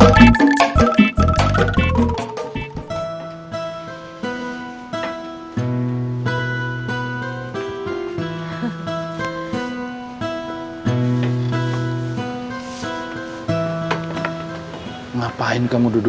habis teleponan sama musuh